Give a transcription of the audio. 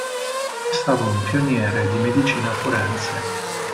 È stato un pioniere di medicina forense.